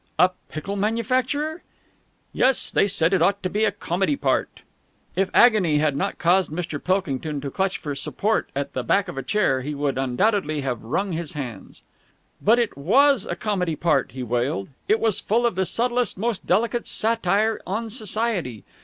"A pickle manufacturer!" "Yes. They said it ought to be a comedy part." If agony had not caused Mr. Pilkington to clutch for support at the back of a chair, he would undoubtedly have wrung his hands. "But it was a comedy part!" he wailed. "It was full of the subtlest, most delicate satire on Society.